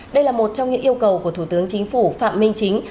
đây là một trong những yêu cầu của thủ tướng chính phủ phạm minh chính